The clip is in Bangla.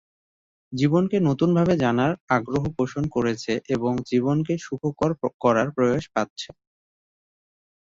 জীবনকে নতুনভাবে জানার আগ্রহ পোষণ করছে এবং জীবনকে সুখকর করার প্রয়াস পাচ্ছে।